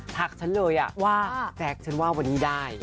ักฉันเลยว่าแจ๊คฉันว่าวันนี้ได้